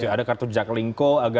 ada kartu jaklingko